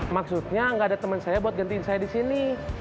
maksudnya gak ada temen saya buat gantiin saya disini